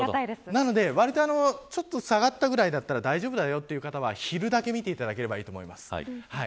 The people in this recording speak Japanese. ちょっと下がったくらいだったら大丈夫だよという方は昼だけ見てくれればいいと思います。